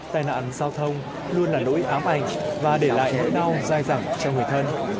tài nạn giao thông luôn là nỗi ám ảnh và để lại nỗi đau dai dẳng cho người thân